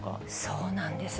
そうなんです。